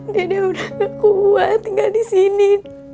dede udah gak kuat tinggal disini